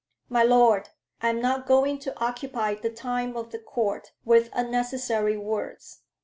"My Lord, I am not going to occupy the time of the Court with unnecessary words.